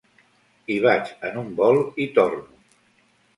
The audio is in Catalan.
Hi vaig en un vol i torno.